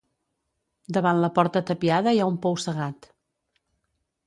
Davant la porta tapiada hi ha un pou cegat.